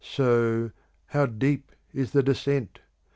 so how deep is the descent!